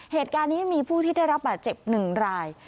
เหตุการณ์นี้มีผู้ที่ได้รับบาดเจ็บ๑ราย